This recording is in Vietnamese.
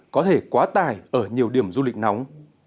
có tài ở nhiều điểm du lịch nóng